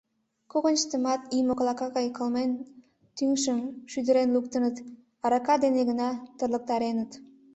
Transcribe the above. Когыньыштымат ий моклака гай кылмен тӱҥшым шӱдырен луктыныт, арака дене гына тырлыктареныт.